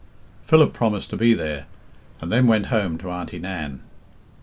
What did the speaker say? Philip promised to be there, and then went home to Auntie Nan.